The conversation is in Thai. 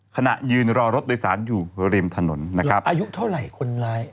ขณะยืนรอรถโดยสารอยู่ริมถนนนะครับอายุเท่าไหร่คนร้าย